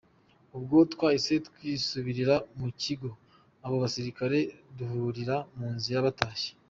Ubwo twahise twisubirira mu kigo, abo basirikare duhurira mu nzira batashye.